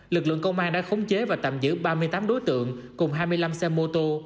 lực lượng công an đã khống chế và tạm giữ ba mươi tám đối tượng cùng hai mươi năm xe mô tô